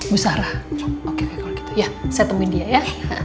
bu sarah oke kalau gitu ya saya temuin dia ya